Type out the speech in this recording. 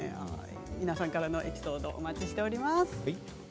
皆さんからのエピソードお待ちしてます。